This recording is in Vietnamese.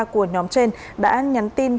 của nhóm trên đã nhắn tin